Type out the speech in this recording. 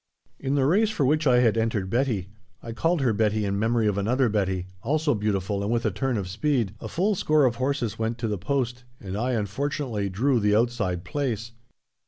In the race for which I had entered Betty (I called her Betty in memory of another Betty, also beautiful and with a turn of speed!) a full score of horses went to the post, and I, unfortunately, drew the outside place.